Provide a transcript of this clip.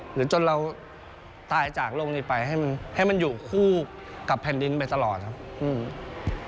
หรือจนเราตายจากโลกนี้ไปให้มันให้มันอยู่คู่กับแผ่นดินไปตลอดครับอืม